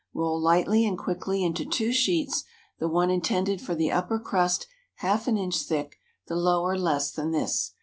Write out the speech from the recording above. Roll lightly and quickly into two sheets, the one intended for the upper crust half an inch thick, the lower less than this.